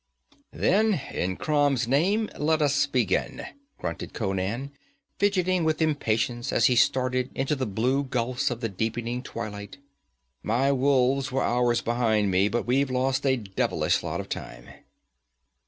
'Then in Crom's name let us be gone,' grunted Conan, fidgeting with impatience as he started into the blue gulfs of the deepening twilight. 'My wolves were hours behind me, but we've lost a devilish lot of time.'